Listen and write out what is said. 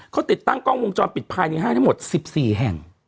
เขาติดตั้งกล้องวงจรปิดภายในห้างทั้งหมด๑๔แห่ง